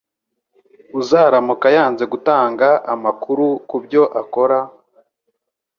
Uzaramuka yanze gutanga amakuru ku byo akora